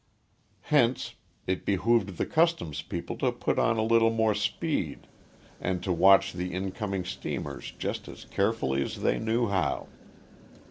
Hence, it behooved the customs people to put on a little more speed and to watch the incoming steamers just as carefully as they knew how.